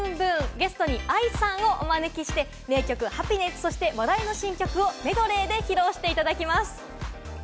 ゲストにＡＩさんをお招きして名曲『ハピネス』と話題の新曲をメドレーで披露していただきます。